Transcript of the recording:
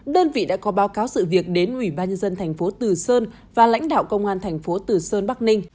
đơn vị đã có báo cáo sự việc đến ủy ban nhân dân tp thừa sơn và lãnh đạo công an tp thừa sơn bắc ninh